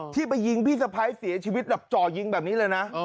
ที่ไปยิงพี่สะพ้ายเสียชีวิตแบบจ่อยิงแบบนี้เลยนะ